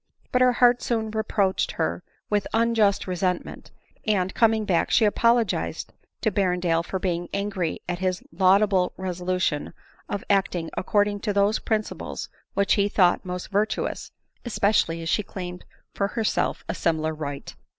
But her heart soon reproached her with unjust resent ment ; and, coming back, she apologized to Berrendale for being angry at his laudable resolution of acting accord ing to those principles which he thought most virtuous, especially as she claimed for herself a similar right.